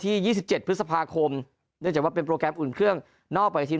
ยี่สิบเจ็ดพฤษภาคมเนื่องจากว่าเป็นโปรแกรมอุ่นเครื่องนอกไปทีม